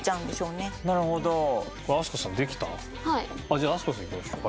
じゃあ飛鳥さんいきましょう。